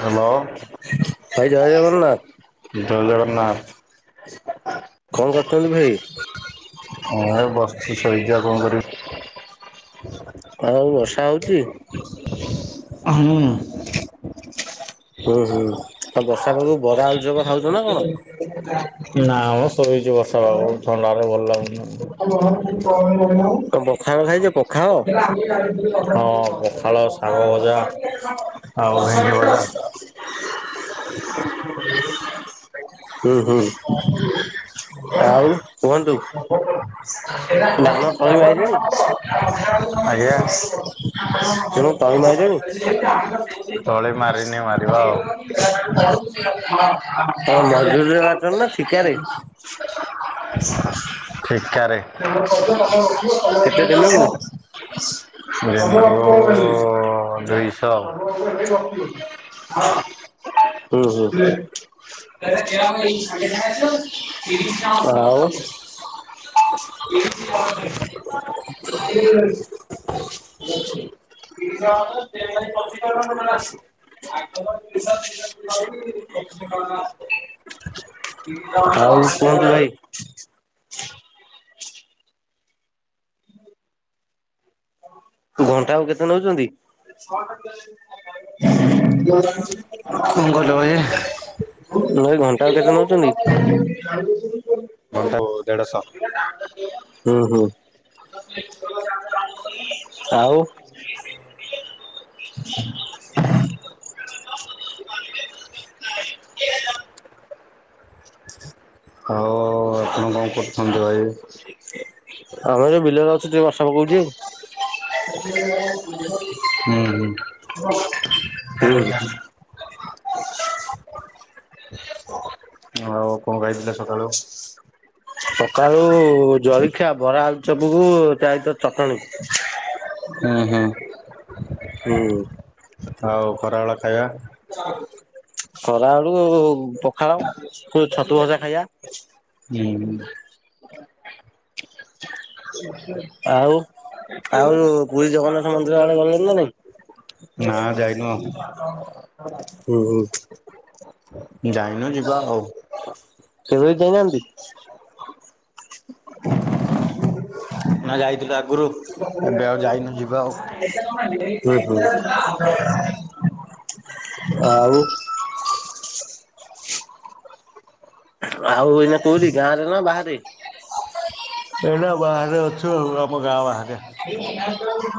Hello. ଭାଇ ଜୟ ଜଗନ୍ନାଥ ଜୟ ଜଗନ୍ନାଥ। ଜୟ ଜଗନ୍ନାଥ। କଣ କରୁଛନ୍ତି ଭାଇ? ହଁ ଏଇ ବସିଚି ଶୋଇଚି ଆଉ କଣ କରିବି? ଆଉ ବର୍ଷା ହଉଛି? [inaudible] ହୁଁ। ହୁଁ ହୁଁ ନା ଆଉ ବର୍ଷା ପାଗକୁ ବରା ମ। ଆଳୁଚପ ଖାଉଛ ନା କଣ? [unintelligible] ବର୍ଷା ପାଗ କୁ ଥଣ୍ଡାରେ ଭଲ ଲାଗୁନି। କଣ ପଖାଳ ହଁ, ଖାଇଛ ପଖାଳ ଶାଗ ଭଜା ଆଉ ଭେଣ୍ଡି ଭଜା। [inaudible] ହୁଁ ହୁଁ। ଆଉ କୁହନ୍ତୁ। ଧାନ ତଳି ମାଇଲେଣି ଆଜ୍ଞା। ଧାନ ତଳି ମାଇଲେଣି ତଳି ମାରିନି ମାର ମାରିବା ଆଉ। ଆଉ ମଜୁରୀରେ ମାରୁଛନ୍ତି ନା ଠିକାରେ [inaudible] ଠିକାରେ। କେତେ ଦିନକୁ? ଦିନ କୁ ଅଢ଼େଇଶ। ହୁଁ ହୁଁ ଆଉ [unintelligible] [inaudible] [inaudible] [unintelligible] [inaudible] ଆଉ କୁହନ୍ତୁ ଭାଇ। ଘଣ୍ଟା କୁ କେତେ ନଉଛନ୍ତି? କହିଲ ଭାଇ? [inaudible] ଭାଇ ଘଣ୍ଟା ଆଉ କେତେ ନଉଛନ୍ତି? ଘଣ୍ଟା କୁ ଦେଢ଼ଶହ। ହୁଁ ହୁଁ। ଆଉ [inaudible] ହଉ। ଆପଣ କଣ କରୁଛନ୍ତି ଭାଇ? ଆମେ ଏଇ ବିଲରେ ଅଛୁ ଟିକେ ବର୍ଷା ପକଉଚୁ। ହୁଁ ହୁଁ। ହୁଁ। ଆଉ କଣ ଖାଇଥିଲେ ସକାଳୁ? ସକାଳୁ ଜଳଖିଆ ବରା, ଆଳୁ ଚପ୍ କୁ ତା ସହିତ ଚଟଣୀ। ହୁଁ ହୁଁ। ହୁଁ। ଆଉ ଖରାବେଳ ଖାଇବା? ଖରାବେଳୁ କୁ ପଖାଳ କୁ ଛତୁ ଭଜା ଖାଇବା। ହୁଁ। [inaudible] ଆଉ ଆଉ ପୁରୀ ଜଗନ୍ନାଥ ମନ୍ଦିର ହୁଁ। ଆଡେ ଗଲେଣି ନା ନାଇଁ? ନା ଯାଇନୁ ଆଉ। ହୁଁ ହୁଁ ଯାଇନୁ ଯିବା ଆଉ। କେଭେବି ଯାଇନାହାନ୍ତି? [inaudible] ନା ଯାଇଥିଲୁ ଆଗୁରୁ, ଏବେ ଆଉ ଯାଇନୁ ଯିବା ଆଉ। ହୁଁ ହୁଁ ହ [unintelligible] ଆଉ। ଆଉ ଏଇନା କଉଠି ଗାଁ ରେ ନା ବାହାରେ? ଏଇନା ବାହାରେ ଅଛୁ ଆମ ଗାଁ ବାହାରେ।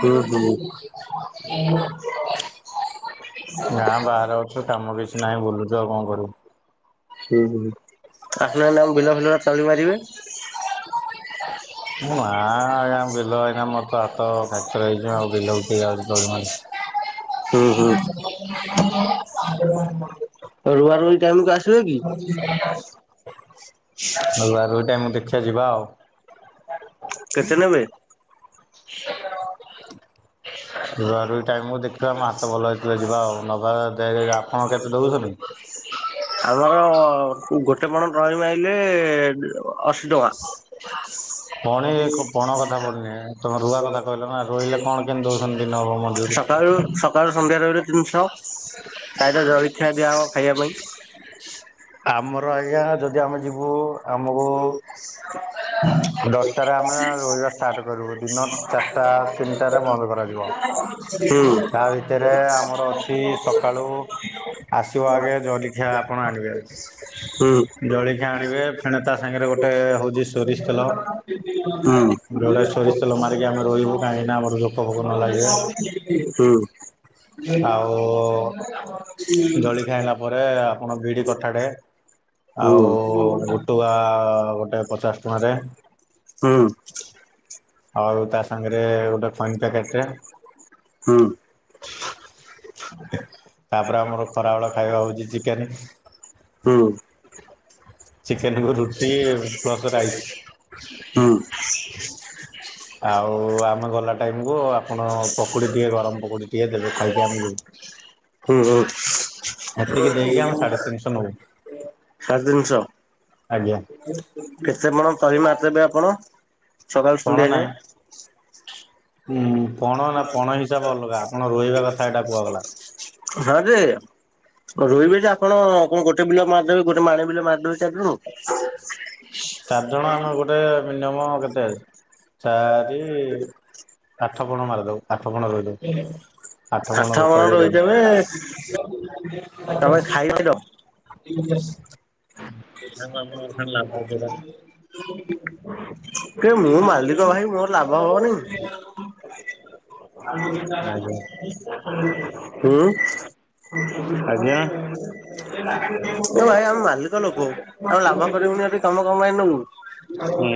ହୁଁ ହୁଁ [inaudible] ଗାଁ ବାହାରେ ଅଛୁ କାମ କିଛି ନାହିଁ ବୁଲୁଚୁ ଆଉ କଣ କରିବୁ। ହୁଁ ହୁଁ ଆସୁନାହାନ୍ତି ଆମ ବିଲ ଫିଲ ରା ତଳି ମାରିବେ? ନାଆ ଆଜ୍ଞା ବିଲ ଏଇନା ମୋର ତ ହାତ ଫ୍ରାକ୍ଚର ହେଇଛି ଆଉ ବିଲ କିଏ ଯାଉଛି ତଳି ମାରି। ହୁଁ ହୁଁ ରୁଆ ରୁଇ ଟାଇମ୍ କୁ ଆସ ରୁଆ ରୁଇ ଟାଇମ୍ କୁ ଦେଖିବା ଯିବା ଆଉ। କେତେ ନେବେ? ରୁଆ ରୁଇ ଟାଇମ୍ କୁ ଦେଖିବା ମୋ ହାତ ଭଲ ହେ ଯିବା ଆଉ ନବା ଦେ ଆପଣ କେତେ ଦଉଛନ୍ତି? ଆମର ଗୋଟେ ପଣ ତଳି ମାଇଲେ ଅଶୀ ଟଙ୍କା। ପଣି ପଣ କଥା ପଡିନି ତମ ରୁଆ କଥା କହିଲ ନା ରୁଇଲେ କଣ କେମତି ଦଉଛନ୍ତି ନବ ମଜୁରୀ। ସଖାଳୁ ସନ୍ଧ୍ୟା ରହିଲେ ତିନିଶହ। ତା ସହ ଜଳଖିଆ ଦିଆହବ ଖାଇବା ପାଇଁ। ଆମର ଆଜ୍ଞା ଯଦି ଆମେ ଯିବୁ ଆମକୁ ଦଶଟାରେ ଆମେ ରୋହିବା ଷ୍ଟାର୍ଟ କରିବୁ। ଦିନ ଚାରିଟା ତିନିଟାରେ ବନ୍ଦ କରାଯିବ ହୁଁ ତା ଭିତରେ ଆମର ଅଛି ଏଇ ସକାଳୁ ଆସିବ ଆଗେ ଜରିଖିଆ ଆପଣ ଆଣିବେ। ହୁଁ। ଜଳିଖିଆ ଆଣିବେ ଫେଣ ତା ସାଙ୍ଗରେ ଗୋଟେ ହଉଛି ସୋରିଷ ତେଲ। ହୁଁ ଜଡା ସୋରିଷ ତେଲ ମାରିକି ଆମେ ରୋହିବୁ କାହିଁକି ନା ଆମର ଜୋକ ଫୋକ ନ ଲାଗିବେ। ହୁଁ। ଆଉ ଜଳି ଖାଇଲା ପରେ ଆପଣ ବିଡି କ ଠା ଟେ ହୁଁ ଆଉ ଟୁଆ ଗୋଟେ ପଚାଶ ଟଙ୍କାରେ। ହୁଁ ଆଉ ତା ସାଙ୍ଗରେ ଗୋଟେ ଖଇନି ପ୍ୟାକେଟ୍ ଟେ। ହୁଁ ତାପରେ ଆମର ଖରାବେଳ ଖାଇବା ହଉଛି ଚିକେନ୍। ହୁଁ। ଚିକେନ୍ କୁ ରୁଟି ପ୍ଲସ୍ ରାଇସ୍। ହୁଁ ଆଉ ଆମେ ଗଲା ଟାଇମ୍ କୁ ଆ ଆପଣ ପକୁଡ଼ି ଟିକିଏ ଗରମ ପକୁଡ଼ି ଟିକିଏ ଦେବେ ଖାଇକି ଆମେ ଯିବୁ। ହୁଁ ହୁଁ। ଏତିକି ଦେଇକି ଆମେ ସାଢେ ତିନିଶହ ନବୁ। ସାଢ଼େ ଆଜ୍ଞା ତିନିଶହ କେତେ ପଣ ତଳି ମାପିଲେ ଆପଣ? ସକାଳୁ ସନ୍ଧ୍ୟା ଯାଏଁ। ଉୁଁ ପଣ ନା ପଣ ହିସାବ ଅଲଗା ଆପଣ ରୋହିବା କଥା ଏଇଟା କୁହାଗଲା। ହଁ ଯେ ରୋଇବେ ଯେ ଆପଣ କଣ ଗୋଟେ ବିଲ ମାରିଦେବେ ଗୋଟେ ମାଣେ ବିଲ ମାରିଦବେ ଚାରିଜଣ? ଚାରଜଣ ଆମେ ଗୋଟେ ମିନିଅମ୍ କେତେ ଚାରି ଆଠ ପଣ ମାରିଦବୁ ଆଠ ପଣ ରୋଇଦବୁ। ଆଠ ପଣର ମଣ ତଳିରୁଇ ରୋଇଦେବେ ତମେ ଖାଇକି ର [inaudible] [unintelligible] କେ ମୁଁ ମାଲିକ ଭାଇ ମୋର ଲାଭ ହବନି। ହ୍ୟାଲୋ ହୁଁ [unintelligible] ଆଜ୍ଞା। ଭାଇ ଆମ ମାଲିକ ଲୋକ ଆମେ ଲାଭ କରିବୁନି ଏଠି କାମ କଣ ପାଇଁ ନବୁ? ହୁଁ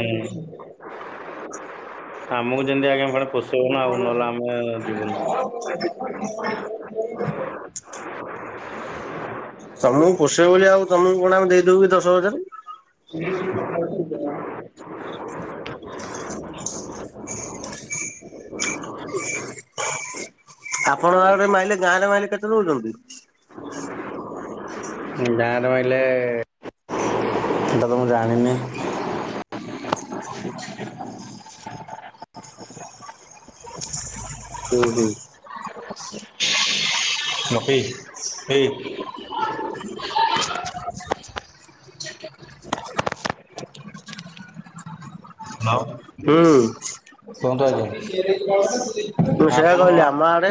ଆମକୁ ଯେମିତି ଆଜ୍ଞା ଫାଳେ ପୋଷେଇବ ନା ଆଉ ନହେଲେ ଆମେ ଯିବୁନୁ। ହ ତମକୁ ପୋଷେଇ ବୋଲି ଆଉ ତମକୁ କଣ ଆମେ ଦେଇଦଉ କି ଦଶ ହଜାରେ। ଆପଣ ଆଡ଼େ ମାଇଲେ ଗାଁରେ ମାଇଲେ କେତେ ନଉଛନ୍ତି? ଗାଁର ମାଇଲେ ହେଟା ତ ମୁଁ ଜାଣିନି। ହୁଁ ହୁଁ। ଲକି ଏଇ ହାଲ [unintelligible] କୁହନ୍ତୁ ମୁଁ ସେୟା କହିଲି ଆମ ଆଡେ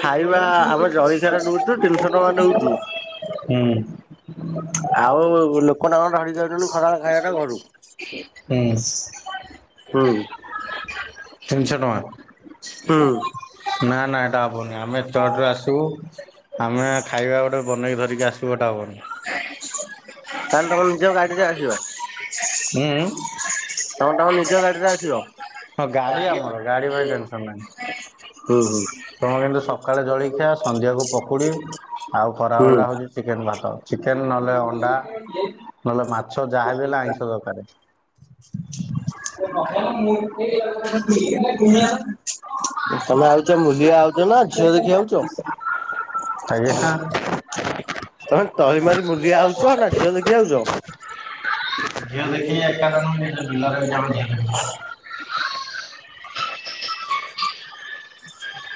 ଖାଇବା ଆମେ ଜଳଖିଆଟା ଦଉଛୁ ତିନିଶହ ଟଙ୍କା ଆପଣଙ୍କ ଦଉଛୁ ହୁଁ। ଆଉ ଲୋକ ତାଙ୍କର ଧରିକି ଯାଉଛନ୍ତି ଖରା ଖାଇବା ଟା ଘରୁ। ହୁଁ। ହୁଁ। ତିନିଶ ହୁଁ ଟଙ୍କା ନା ନା ଏଟା ଅପ୍ ହେବନି ଆମେ ଏତେ ବାଟରୁ ଆସିବୁ ଆମେ ଖାଇବା ଗୋଟେ ବନେଇକି ଧରିକି ଆସିବୁ ଏଟା ହେବନି। [unintelligible] ତାହେଲେ ତମେ ନିଜ ଗାଡ଼ିରେ ଆସିବ। ଉଁ ଉଁ? ତମେ ତାମ ନିଜ ଗାଡି଼ରେ ଆସିବ। ହଁ ଗାଡି଼ ଆମର ଗାଡି଼ ପାଇଁ ଟେନସନ ନାହିଁ। ହୁଁ ହୁଁ ତମର କିନ୍ତୁ ସକାଳେ ଜଳଖିଆ ସନ୍ଧ୍ୟାକୁ ପକୁଡି଼ ଆଉ ଖରାବେଳ ହୁଁ ଟା ହଉଛି ଚିକେନ ଭାତ ଚିକେନ ନହେଲେ ଅଣ୍ଡା ନହେଲେ ମାଛ ଯାହାବି ହେଲା ଆଇଁଷ ଦରକାରେ। କୁଣିଆ ନା [unintelligible] ତମେ ଆଉଚ ମୁଲିଆ ଆଉଚ ନା ଝିଅ ଦେଖି ଆଉଚ? ଆଜ୍ଞା ହାଁ। ତମେ ତଳି ମାରି ମୁଲିଆ ଆଉଚ ନା ଝିଅ ଦେଖି ଆଉଛ? ଝିଅ ଦେଖି ଏକା ଥରକୁ ନିଜ ବିଲରେ [unintelligible]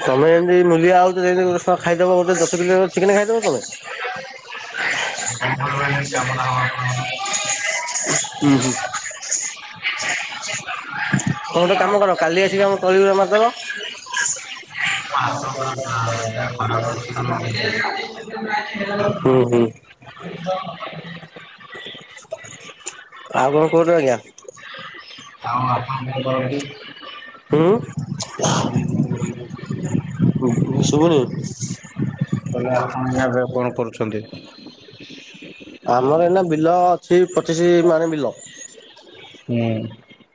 ତମେ ଏନ୍ତି ମୂଲିଆ ଆଉଛ ଯେମତି ଗୋଟେ ଖାଇଦବ ଗୋଟେ ଦଶ କିଲୋ ଚିକେନ ଖାଇଦବ ତମେ। ହ ଉ ହୁଁ। ତମେ ଗୋଟେ କାମ କର କାଲି ଆସିକି ଆମ ତଳିିଉରା ମାରିଦବ। ଆପଣ କଣ କର [unintelligible] [inaudible] ଆଉ କଣ କହନ୍ତୁ ଆଜ୍ଞା? [inaudible] ଆଉ ଆପଣ କଣ କରନ୍ତି? ହୁଁ ଆ [inaudible] ଶୁଭୁନି! ତାହେଲେ ଆପଣ ଏବେ କଣ କରୁଛନ୍ତି? ଆମର ଏଇନା ବିଲ ଅଛି, ପଚିଶି ମାଣେ ବିଲ! ହୁଁ।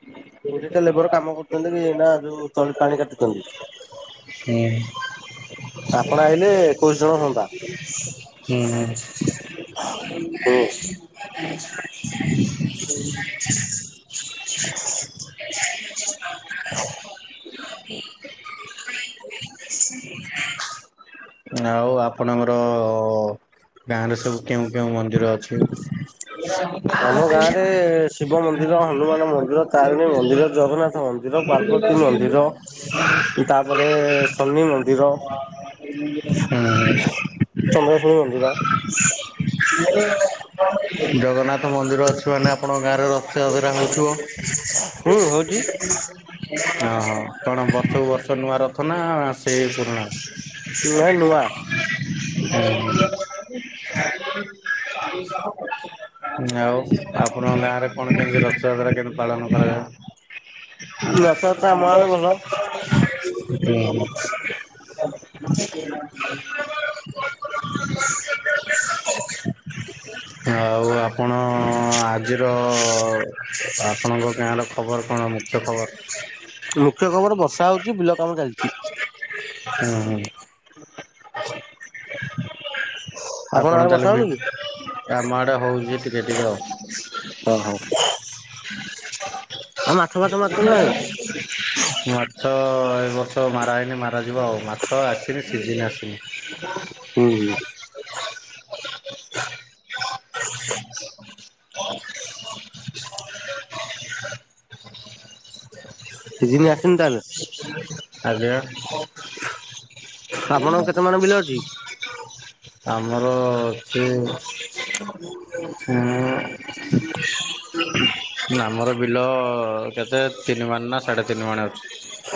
କୋଡିଏ ଟା ଲେବର କାମ କରୁଛନ୍ତି ଏଇନା ଯୋଉ ତଳି ପାଣି କାଟୁଛନ୍ତି। ହୁଁ। ଆପଣ ଆଇଲେ ଏକୋଇଶି ଜଣ ହୁଅନ୍ତା। ହୁଁ। [inaudible] ହ [inaudible] [inaudible] [inaudible] ଆଉ ଆପଣଙ୍କର ଗାଁରେ ସବୁ କେଉଁ କେଉଁ ମନ୍ଦିର ଅଛି? ଆମ ଗାଁ ରେ, ଶିବ ମନ୍ଦିର, ହନୁମାନ ମନ୍ଦିର, ତାରିଣୀ ମନ୍ଦିର, ଜଗନ୍ନାଥ ମନ୍ଦି ମନ୍ଦିର ହୁଁ ହୁଁ ପାର୍ବତୀ ମନ୍ଦିର ତାପରେ ଶନି ମନ୍ଦିର। ହଁ! ଚନ୍ଦ୍ରଶୁଣୀ ମନ୍ଦିର ଜଗନ୍ନାଥ ମନ୍ଦିର ଅଛି ମାନେ ଆପଣଙ୍କ ଗାଁରେ ରଥଯାତ୍ରା ହଉଥିବ? ହୁଁ ହଉଛି। ହଁ, ହଁ, କଣ ବର୍ଷକୁ ବର୍ଷ ନୂଆ ରଥ ନା ସେ ପୁରୁଣା ନାଇଁ ହୁଁ ନୂଆ [inaudible] [inaudible] ଆଉ ଆପଣଙ୍କ ଗାଁ ରେ କଣ କେମତି ରଥଯାତ୍ରା କେମତି ପାଳନ କରାଯାଏ? ରଥଯାତ୍ରା ଆମ ଗାଁ ରେ ଭଲ ହୁଁ! [inaudible] [inaudible] ଆଉ ଆପଣ ଆଜିର ଆପଣଙ୍କ ଗାଁର ଖବର କଣ ମୁଖ୍ୟ ଖବର? ମୁଖ୍ୟ ଖବର, ବର୍ଷା ହଉଛି ବିଲ କାମ ଚାଲିଛି। ଉଁ ହୁଁ। ଆପଣଙ୍କ ଆପଣ ଆଡେ ତାହେଲେ ବର୍ଷା ବି ହଉନି? ଆମ ଆଡେ ହଉଛି ଟିକେ ଟିକେ ଆଉ। ଓହୋ ଆଉ ମାଛ ଫାଛ ମାରୁଛନ୍ତି ନା ନାଇଁ? ମାଛ ଏ ବର୍ଷ ମାରା ହେଇନି ମାରାଯିବ ଆଉ ମାଛ ଏବେ ସିଜିନ୍ ଆସିନି। [inaudible] ହୁଁ ହୁଁ ହ [inaudible] ସିଜିନ୍ ଆସନି ତାହେଲେ? ଆଜ୍ଞା! ଆପଣଙ୍କ କେତେ ମାଣେ ବିଲ ଅଛି? ଆମର ଅଛି [inaudible] ହ [inaudible] ଆମର ବିଲ, କେତେ ତିନି ମାଣେ ନା ସାଢ଼େ ତିନି ମାଣେ ଅଛି।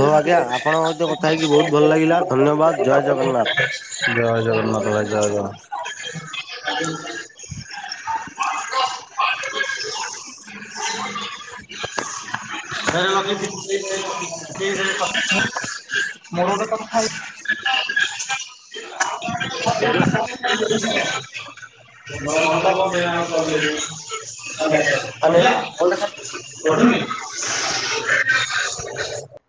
ହଉ ଆଜ୍ଞା, ଆପଣଙ୍କ ସହିତ କଥା ହେଇକି ବହୁତ ଭଲ ଲାଗିଲା ଧନ୍ୟବାଦ ଜୟ ଜଗନ୍ନାଥ। ଜୟ ଜଗନ୍ନାଥ ଭାଇ ଜୟ ଜଗନ୍ନାଥ। [unintelligible] [unintelligible] [unintelligible] [unintelligible] [unintelligible] [unintelligible]